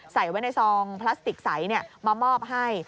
ใส่ไว้ในซองพลาสติกใสมามอบให้